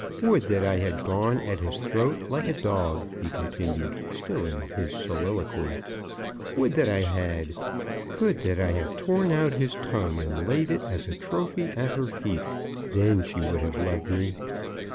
"Would that I had gone at his throat like a dog!" he continued, still in his soliloquy. "Would that I had! Could I have torn out his tongue, and laid it as a trophy at her feet, then she would have loved me."